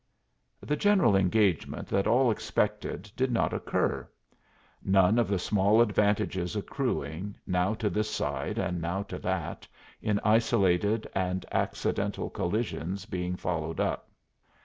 The general engagement that all expected did not occur, none of the small advantages accruing, now to this side and now to that, in isolated and accidental collisions being followed up.